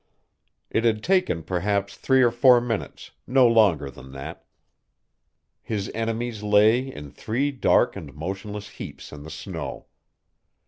It had taken perhaps three or four minutes no longer than that. His enemies lay in three dark and motionless heaps in the snow.